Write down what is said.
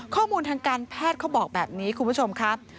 ข้อมูลทางการแพทย์เขาบอกแบบนี้คุณผู้ชมครับ